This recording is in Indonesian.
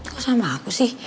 kok sama aku sih